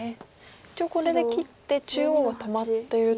一応これで切って中央は止まっていると。